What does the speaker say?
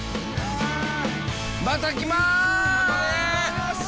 また来ます！